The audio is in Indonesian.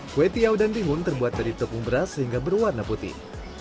kue tiaw dan timun terbuat dari tepung beras sehingga berwarna putih